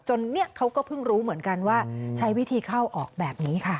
เนี่ยเขาก็เพิ่งรู้เหมือนกันว่าใช้วิธีเข้าออกแบบนี้ค่ะ